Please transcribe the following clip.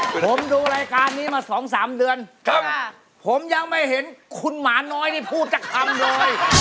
ผมดูรายการนี้มา๒๓เดือนผมยังไม่เห็นคุณหมาน้อยนี่พูดสักคำเลย